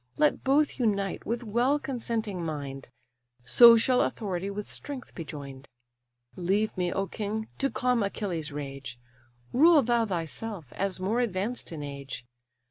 Let both unite with well consenting mind, So shall authority with strength be join'd. Leave me, O king! to calm Achilles' rage; Rule thou thyself, as more advanced in age.